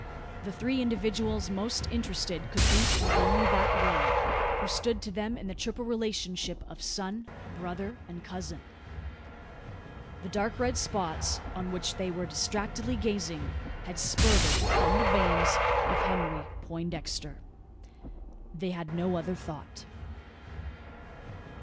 The three individuals most interested could think only of that one, who stood to them in the triple relationship of son, brother, and cousin. The dark red spots on which they were distractedly gazing had spurted from the veins of Henry Poindexter. They had no other thought.